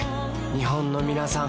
日本のみなさん